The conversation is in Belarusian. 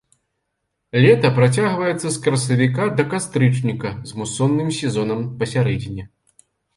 Лета працягваецца з красавіка да кастрычніка, з мусонным сезонам пасярэдзіне.